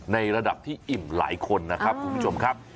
ในระดับที่อิ่มหลายคนนะครับคุณผู้ชมครับ